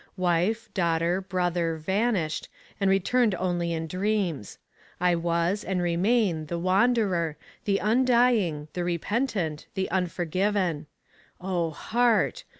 Wife, daughter, brother vanished, and returned only in dreams. I was and remain the wanderer, the undying, the repentant, the unforgiven. O heart!